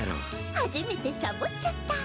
初めてサボッちゃった。